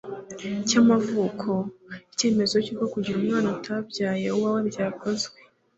cy'amavuko, Icyemezo cy'uko kugira umwana utabyaye uwawe byakozwe,